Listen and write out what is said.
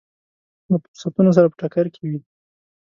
له فرضونو سره په ټکر کې وي.